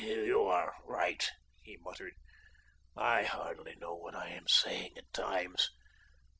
"You are right," he muttered. "I hardly know what I am saying at times.